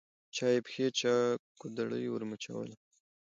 چا یې پښې چا ګودړۍ ورمچوله